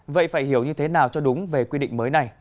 vậy phải hiểu như thế nào cho đúng về quy định mới này